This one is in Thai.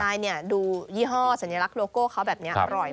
ใช่ดูยี่ห้อสัญลักษโลโก้เขาแบบนี้อร่อย